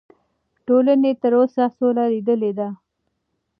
ټولنې تر اوسه سوله لیدلې ده.